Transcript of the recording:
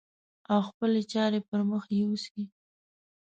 او خپلې چارې پر مخ يوسي.